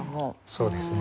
そうですね。